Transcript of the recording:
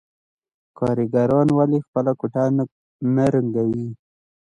کارګران ولې خپله کوټه نه رنګوي